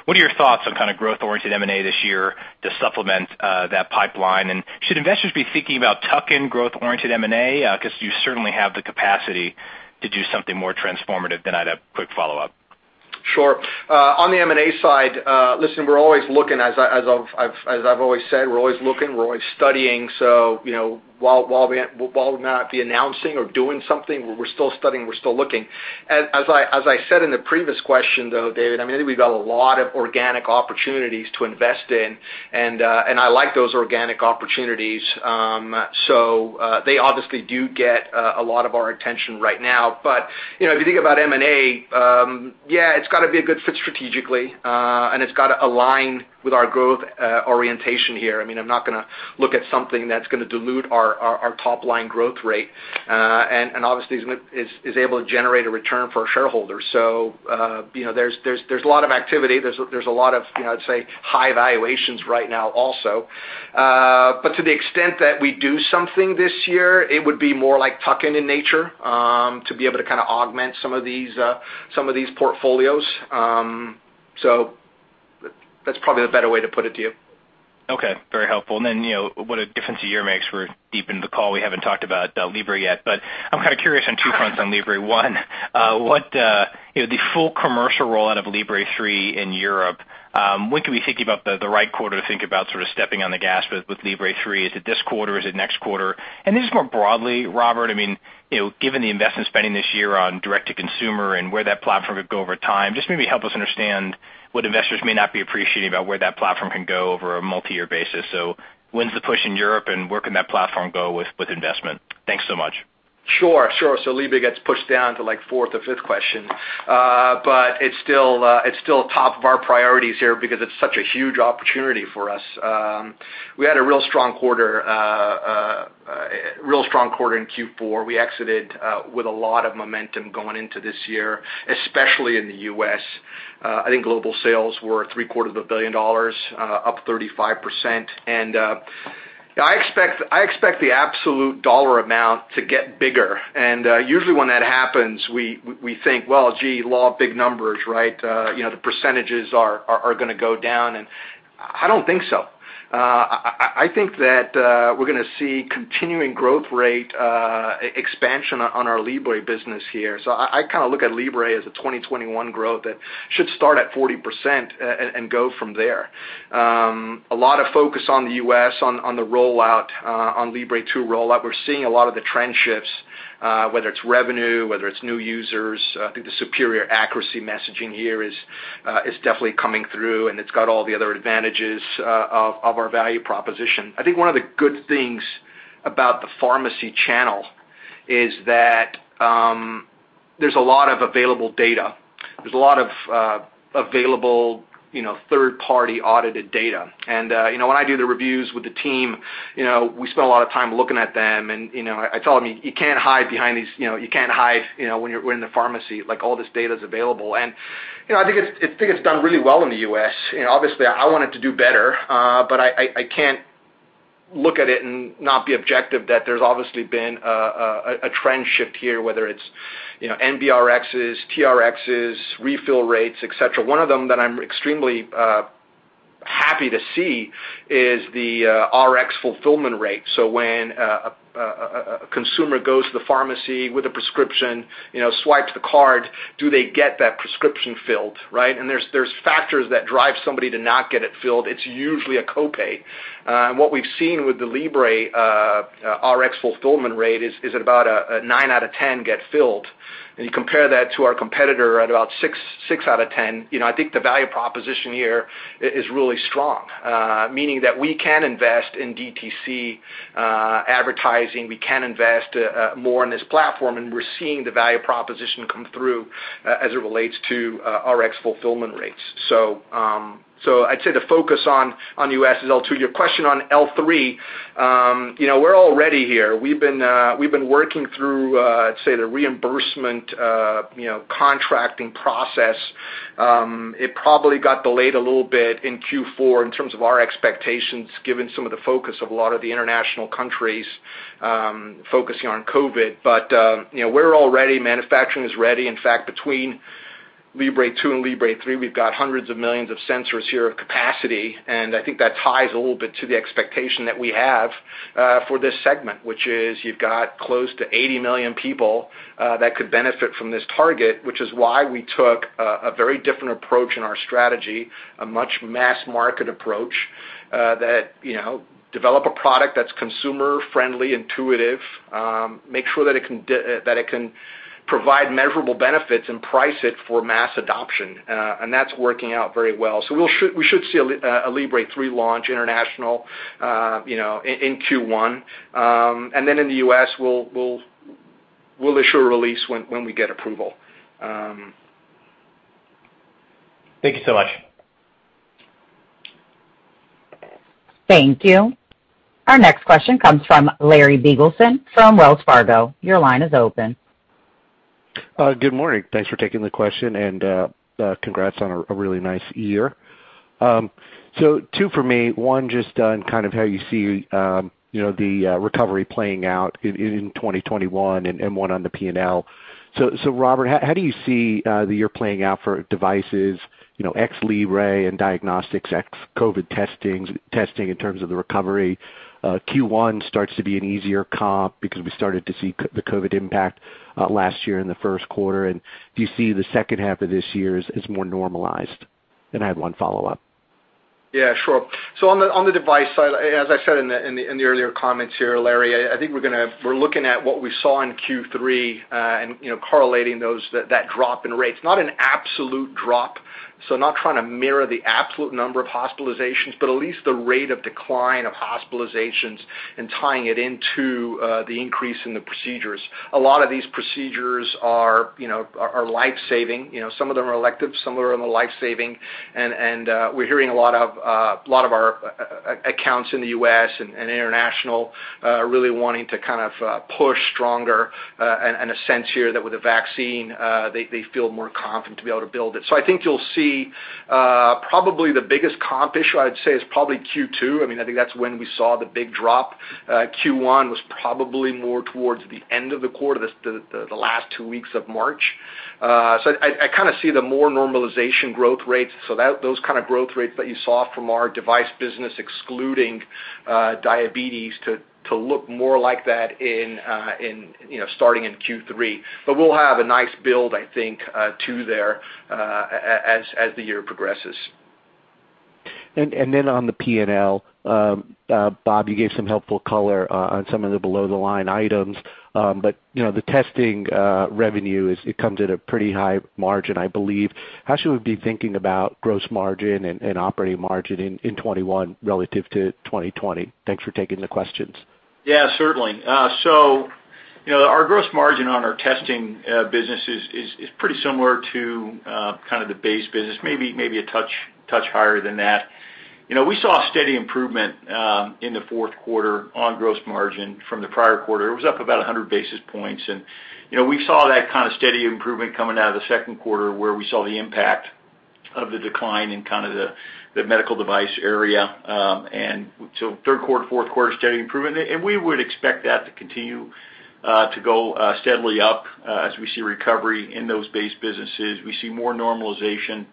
What are your thoughts on kind of growth-oriented M&A this year to supplement that pipeline? Should investors be thinking about tuck-in growth-oriented M&A? Because you certainly have the capacity to do something more transformative. I had a quick follow-up. Sure. On the M&A side, listen, we're always looking. As I've always said, we're always looking, we're always studying. While we might not be announcing or doing something, we're still studying, we're still looking. As I said in the previous question, though, David, I think we've got a lot of organic opportunities to invest in, and I like those organic opportunities. They obviously do get a lot of our attention right now. If you think about M&A, yeah, it's got to be a good fit strategically, and it's got to align with our growth orientation here. I'm not going to look at something that's going to dilute our top-line growth rate, and obviously, is able to generate a return for shareholders. There's a lot of activity. There's a lot of, I'd say, high valuations right now also. To the extent that we do something this year, it would be more like tuck-in in nature to be able to kind of augment some of these portfolios. That's probably the better way to put it to you. Okay. Very helpful. What a difference a year makes. We're deep into the call, we haven't talked about Libre yet. I'm kind of curious on two fronts on Libre. One, the full commercial rollout of Libre 3 in Europe. When can we think about the right quarter to think about sort of stepping on the gas with Libre 3? Is it this quarter? Is it next quarter? Just more broadly, Robert, given the investment spending this year on direct to consumer and where that platform could go over time, just maybe help us understand what investors may not be appreciating about where that platform can go over a multi-year basis. When's the push in Europe, and where can that platform go with investment? Thanks so much. Sure. Libre gets pushed down to like fourth or fifth question. It's still top of our priorities here because it's such a huge opportunity for us. We had a real strong quarter in Q4. We exited with a lot of momentum going into this year, especially in the U.S. I think global sales were three-quarters of a billion dollars, up 35%. I expect the absolute dollar amount to get bigger. Usually when that happens, we think, well, gee, law of big numbers, right? The percentages are going to go down, and I don't think so. I think that we're going to see continuing growth rate expansion on our Libre business here. I kind of look at Libre as a 2021 growth that should start at 40% and go from there. A lot of focus on the U.S. on the rollout, on Libre 2 rollout. We're seeing a lot of the trend shifts, whether it's revenue, whether it's new users. I think the superior accuracy messaging here is definitely coming through, and it's got all the other advantages of our value proposition. I think one of the good things about the pharmacy channel is that there's a lot of available data. There's a lot of available third-party audited data. When I do the reviews with the team, we spend a lot of time looking at them, and I tell them, "You can't hide when you're in the pharmacy." All this data's available. I think it's done really well in the U.S. Obviously, I want it to do better, but I can't look at it and not be objective that there's obviously been a trend shift here, whether it's NBRx, TRx, refill rates, et cetera. One of them that I'm extremely happy to see is the Rx fulfillment rate. When a consumer goes to the pharmacy with a prescription, swipes the card, do they get that prescription filled, right? There's factors that drive somebody to not get it filled. It's usually a copay. What we've seen with the Libre Rx fulfillment rate is about a nine out of 10 get filled. You compare that to our competitor at about six out of 10. I think the value proposition here is really strong, meaning that we can invest in DTC advertising, we can invest more in this platform, and we're seeing the value proposition come through as it relates to Rx fulfillment rates. I'd say the focus on U.S. is L2. Your question on L3, we're all ready here. We've been working through the reimbursement contracting process. It probably got delayed a little bit in Q4 in terms of our expectations, given some of the focus of a lot of the international countries focusing on COVID. We're all ready. Manufacturing is ready. In fact, between Libre 2 and Libre 3, we've got hundreds of millions of sensors here of capacity, and I think that ties a little bit to the expectation that we have for this segment, which is you've got close to 80 million people that could benefit from this target, which is why we took a very different approach in our strategy, a much mass market approach that develop a product that's consumer friendly, intuitive, make sure that it can provide measurable benefits and price it for mass adoption, and that's working out very well. We should see a Libre 3 launch international in Q1. In the U.S., we'll issue a release when we get approval. Thank you so much. Thank you. Our next question comes from Larry Biegelsen from Wells Fargo. Your line is open. Good morning. Thanks for taking the question, congrats on a really nice year. Two for me, one just on kind of how you see the recovery playing out in 2021 and one on the P&L. Robert, how do you see the year playing out for devices ex Libre and diagnostics, ex COVID testing in terms of the recovery? Q1 starts to be an easier comp because we started to see the COVID impact last year in the first quarter. Do you see the second half of this year as more normalized? I have one follow-up. Yeah, sure. On the device side, as I said in the earlier comments here, Larry, I think we're looking at what we saw in Q3 and correlating that drop in rates, not an absolute drop, so not trying to mirror the absolute number of hospitalizations, but at least the rate of decline of hospitalizations and tying it into the increase in the procedures. A lot of these procedures are life-saving. Some of them are elective, some of them are life-saving. We're hearing a lot of our accounts in the U.S. and international really wanting to kind of push stronger and a sense here that with a vaccine, they feel more confident to be able to build it. I think you'll see probably the biggest comp issue, I'd say, is probably Q2. I think that's when we saw the big drop. Q1 was probably more towards the end of the quarter, the last two weeks of March. I kind of see the more normalization growth rates, so those kind of growth rates that you saw from our device business excluding diabetes to look more like that starting in Q3. We'll have a nice build, I think, too, there as the year progresses. On the P&L, Bob, you gave some helpful color on some of the below-the-line items. The testing revenue, it comes at a pretty high margin, I believe. How should we be thinking about gross margin and operating margin in 2021 relative to 2020? Thanks for taking the questions. Yeah, certainly. Our gross margin on our testing business is pretty similar to kind of the base business, maybe a touch higher than that. We saw steady improvement in the fourth quarter on gross margin from the prior quarter. It was up about 100 basis points. We saw that kind of steady improvement coming out of the second quarter, where we saw the impact of the decline in kind of the medical device area. Third quarter, fourth quarter, steady improvement. We would expect that to continue to go steadily up as we see recovery in those base businesses. We see more normalization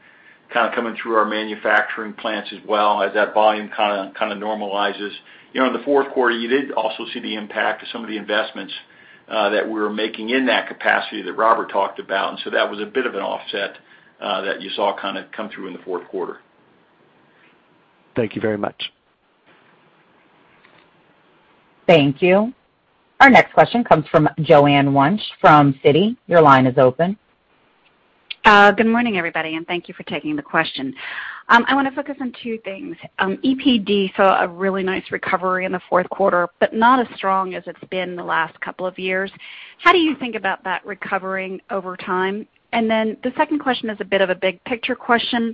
kind of coming through our manufacturing plants as well as that volume kind of normalizes. In the fourth quarter, you did also see the impact of some of the investments that we were making in that capacity that Robert talked about, and so that was a bit of an offset that you saw kind of come through in the fourth quarter. Thank you very much. Thank you. Our next question comes from Joanne Wuensch from Citi. Your line is open. Good morning, everybody, and thank you for taking the question. I want to focus on two things. EPD saw a really nice recovery in the fourth quarter, but not as strong as it's been the last couple of years. How do you think about that recovering over time? The second question is a bit of a big picture question.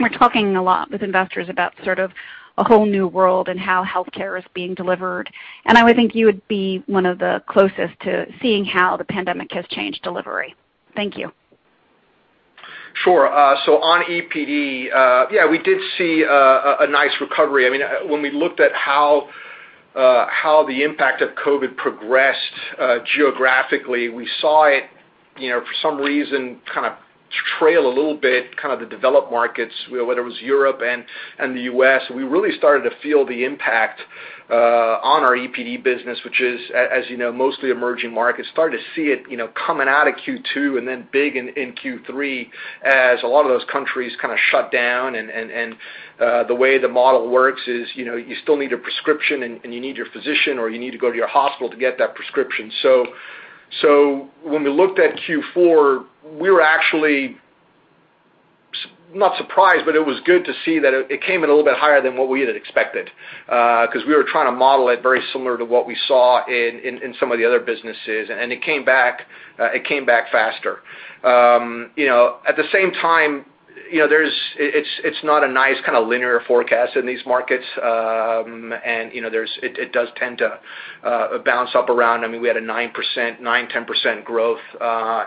We're talking a lot with investors about sort of a whole new world and how healthcare is being delivered, and I would think you would be one of the closest to seeing how the pandemic has changed delivery. Thank you. Sure. On EPD, yeah, we did see a nice recovery. When we looked at how the impact of COVID progressed geographically, we saw it, for some reason, kind of trail a little bit kind of the developed markets, whether it was Europe and the U.S. We really started to feel the impact on our EPD business, which is, as you know, mostly emerging markets. We started to see it coming out of Q2 and then big in Q3 as a lot of those countries kind of shut down, and the way the model works is you still need a prescription, and you need your physician, or you need to go to your hospital to get that prescription. When we looked at Q4, we were actually not surprised, but it was good to see that it came in a little bit higher than what we had expected because we were trying to model it very similar to what we saw in some of the other businesses, and it came back faster. At the same time, it's not a nice kind of linear forecast in these markets, and it does tend to bounce up around. We had a 9%, 10% growth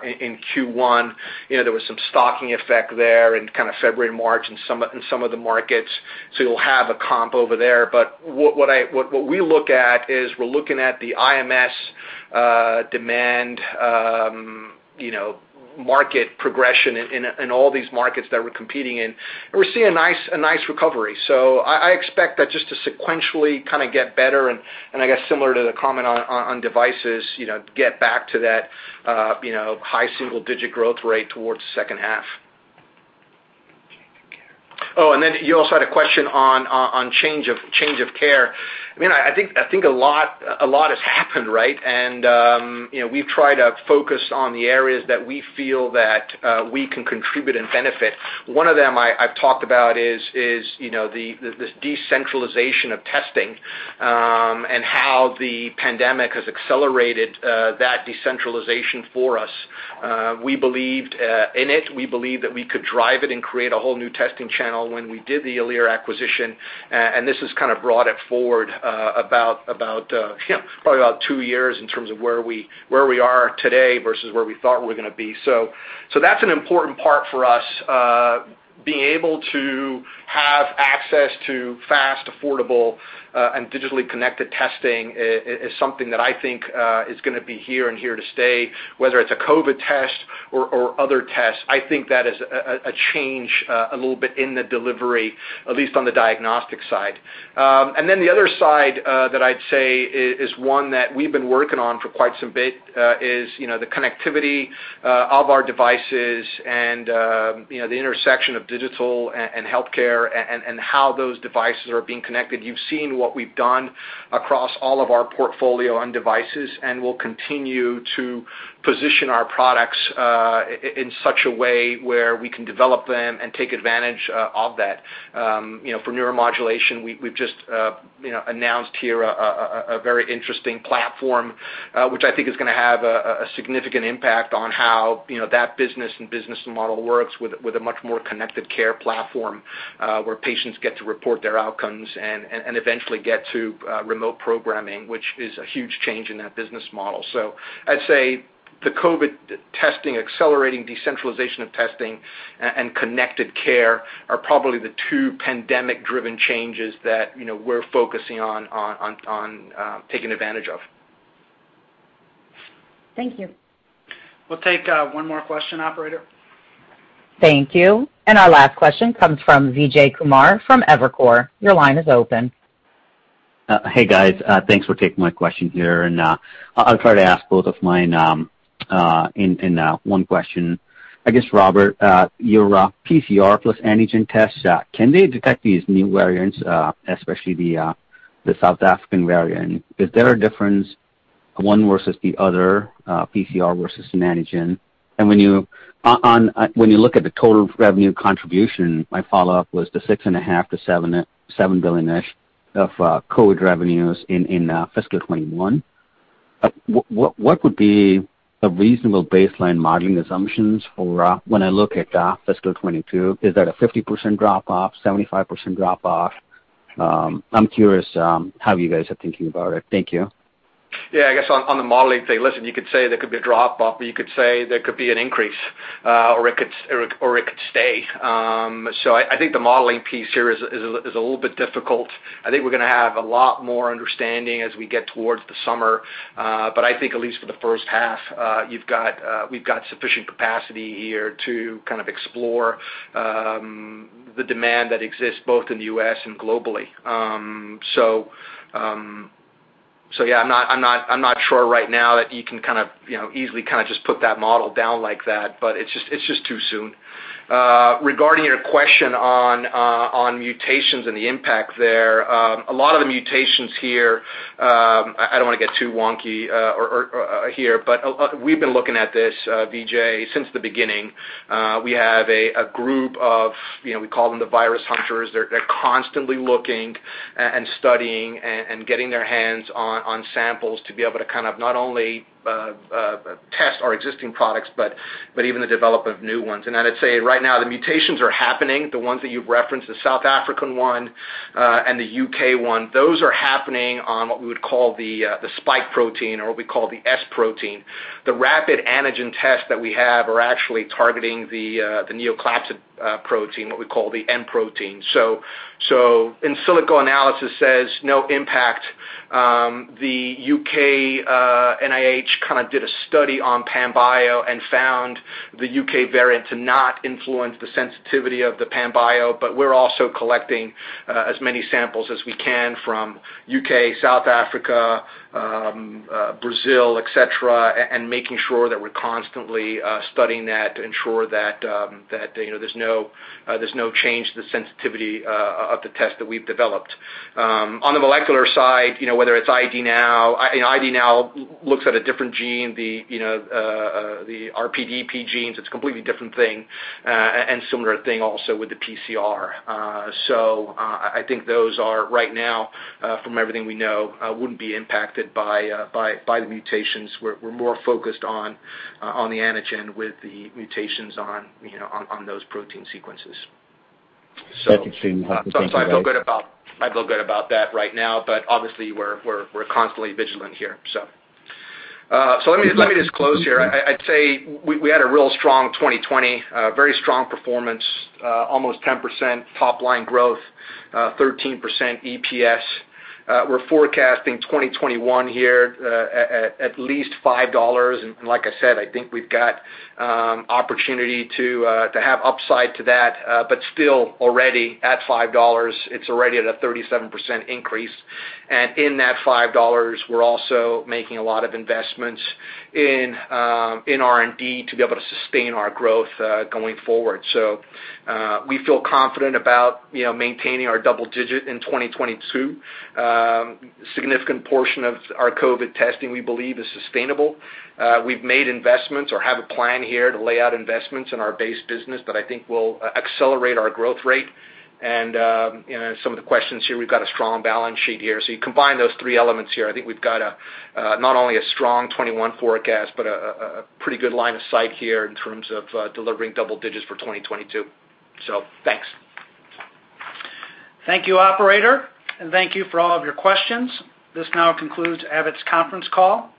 in Q1. There was some stocking effect there in kind of February, March in some of the markets. You'll have a comp over there. What we look at is we're looking at the IMS demand market progression in all these markets that we're competing in, and we're seeing a nice recovery. I expect that just to sequentially kind of get better and I guess similar to the comment on devices, get back to that high single-digit growth rate towards the second half. You also had a question on change of care. I think a lot has happened, right? We've tried to focus on the areas that we feel that we can contribute and benefit. One of them I've talked about is this decentralization of testing, and how the pandemic has accelerated that decentralization for us. We believed in it. We believed that we could drive it and create a whole new testing channel when we did the Alere acquisition, and this has kind of brought it forward about probably about two years in terms of where we are today versus where we thought we were going to be. That's an important part for us. Being able to have access to fast, affordable, and digitally connected testing is something that I think is going to be here and here to stay, whether it's a COVID test or other tests. I think that is a change, a little bit, in the delivery, at least on the diagnostic side. The other side that I'd say is one that we've been working on for quite a bit is the connectivity of our devices and the intersection of digital and healthcare and how those devices are being connected. You've seen what we've done across all of our portfolio on devices, and we'll continue to position our products in such a way where we can develop them and take advantage of that. For neuromodulation, we've just announced here a very interesting platform, which I think is going to have a significant impact on how that business and business model works with a much more connected care platform, where patients get to report their outcomes and eventually get to remote programming, which is a huge change in that business model. I'd say the COVID testing, accelerating decentralization of testing, and connected care are probably the two pandemic-driven changes that we're focusing on taking advantage of. Thank you. We'll take one more question, operator. Thank you. Our last question comes from Vijay Kumar from Evercore. Your line is open. Hey, guys. Thanks for taking my question here. I'll try to ask both of mine in one question. I guess, Robert, your PCR plus antigen tests, can they detect these new variants, especially the South African variant? Is there a difference, one versus the other, PCR versus antigen? When you look at the total revenue contribution, my follow-up was the six and a half billion to 7 billion-ish of COVID revenues in FY 2021. What would be a reasonable baseline modeling assumptions for when I look at FY 2022? Is that a 50% drop-off, 75% drop-off? I'm curious how you guys are thinking about it. Thank you. Yeah, I guess on the modeling thing, listen, you could say there could be a drop off, or you could say there could be an increase, or it could stay. I think the modeling piece here is a little bit difficult. I think we're going to have a lot more understanding as we get towards the summer. I think at least for the first half, we've got sufficient capacity here to kind of explore the demand that exists both in the U.S. and globally. Yeah, I'm not sure right now that you can kind of easily just put that model down like that, but it's just too soon. Regarding your question on mutations and the impact there, a lot of the mutations here, I don't want to get too wonky here, but we've been looking at this, Vijay, since the beginning. We have a group of, we call them the virus hunters. They're constantly looking and studying and getting their hands on samples to be able to kind of not only test our existing products, but even the develop of new ones. Then I'd say right now, the mutations are happening, the ones that you've referenced, the South African one and the U.K. one. Those are happening on what we would call the spike protein or what we call the S protein. The rapid antigen tests that we have are actually targeting the nucleocapsid protein, what we call the N protein. In silico analysis says no impact. The U.K. NIH kind of did a study on Panbio and found the U.K. variant to not influence the sensitivity of the Panbio. We're also collecting as many samples as we can from U.K., South Africa, Brazil, et cetera, and making sure that we're constantly studying that to ensure that there's no change to the sensitivity of the test that we've developed. On the molecular side, whether it's ID NOW, ID NOW looks at a different gene, the RdRp gene. It's a completely different thing. Similar thing also with the PCR. I think those are right now from everything we know wouldn't be impacted by the mutations. We're more focused on the antigen with the mutations on those protein sequences. That's extremely helpful. Thank you, guys. I feel good about that right now, but obviously, we're constantly vigilant here. Let me just close here. I'd say we had a real strong 2020, very strong performance, almost 10% top-line growth, 13% EPS. We're forecasting 2021 here at least $5. Like I said, I think we've got opportunity to have upside to that. Still, already at $5, it's already at a 37% increase. In that $5, we're also making a lot of investments in R&D to be able to sustain our growth going forward. We feel confident about maintaining our double digit in 2022. Significant portion of our COVID testing, we believe, is sustainable. We've made investments or have a plan here to lay out investments in our base business that I think will accelerate our growth rate. Some of the questions here, we've got a strong balance sheet here. You combine those three elements here, I think we've got not only a strong 2021 forecast, but a pretty good line of sight here in terms of delivering double digits for 2022. Thanks. Thank you, operator, and thank you for all of your questions. This now concludes Abbott's conference call.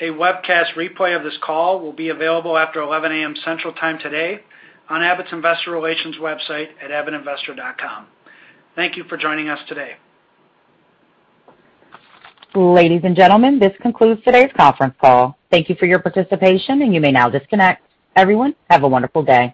A webcast replay of this call will be available after 11 AM Central Time today on Abbott's Investor Relations website at abbottinvestor.com. Thank you for joining us today. Ladies and gentlemen, this concludes today's conference call. Thank you for your participation, and you may now disconnect. Everyone, have a wonderful day.